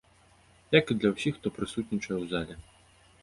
Як і для ўсіх, хто прысутнічае ў зале.